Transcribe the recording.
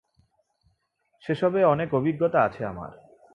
সেসবে অনেক অভিজ্ঞাতা আছে আমার।